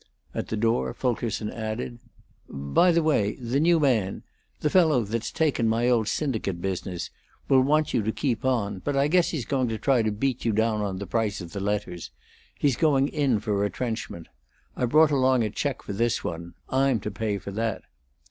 At the door Fulkerson added: "By the way, the new man the fellow that's taken my old syndicate business will want you to keep on; but I guess he's going to try to beat you down on the price of the letters. He's going in for retrenchment. I brought along a check for this one; I'm to pay for that."